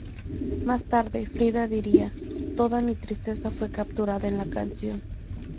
Más tarde Frida diría: ""Toda mi tristeza fue capturada en la canción"".